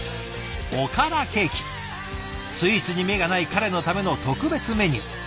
スイーツに目がない彼のための特別メニュー。